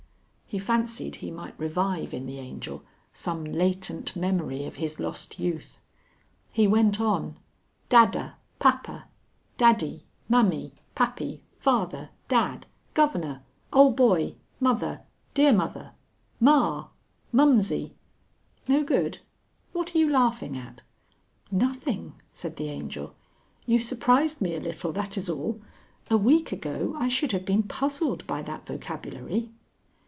He fancied he might revive in the Angel some latent memory of his lost youth. He went on "Dadda, Pappa, Daddy, Mammy, Pappy, Father, Dad, Governor, Old Boy, Mother, dear Mother, Ma, Mumsy.... No good? What are you laughing at?" "Nothing," said the Angel. "You surprised me a little, that is all. A week ago I should have been puzzled by that vocabulary."